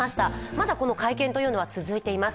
まだこの会見は続いています。